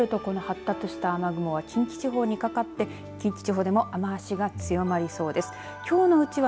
夜遅くになるとこの発達した雨雲近畿地方にかかって近畿地方でも雨足が強まりそうです。